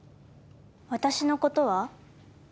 私のことは？